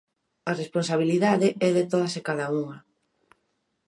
A responsabilidade é de todas e cada unha.